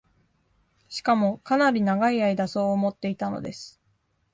しかも、かなり永い間そう思っていたのです